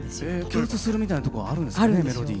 共通するみたいなとこがあるんですね